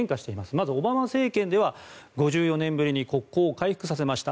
まずオバマ政権では５４年ぶりに国交を回復させました。